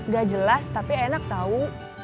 gak jelas tapi enak tahu